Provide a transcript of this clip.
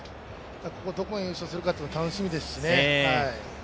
ここはどこが優勝するか楽しみですしね。